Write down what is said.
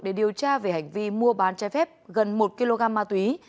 để điều tra về hành vi mua bán trái phép gần một kg ma túy